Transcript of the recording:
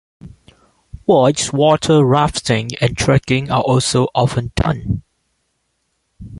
Whitewater rafting and trekking are also often done.